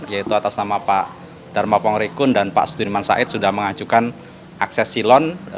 yaitu atas nama pak dharma pongrekun dan pak sudirman said sudah mengajukan akses silon